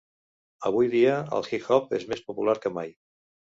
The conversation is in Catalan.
Avui dia, el hip hop és més popular que mai.